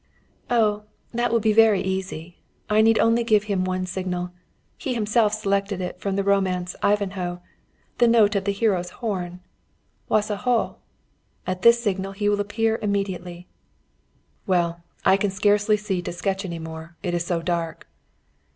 "Oh, that will be very easy! I need only give him one signal. He himself selected it from the romance 'Ivanhoe' the note of the hero's horn 'Wasa hóa!' At this signal he will appear immediately." "Well, I can scarcely see to sketch any more, it is so dark."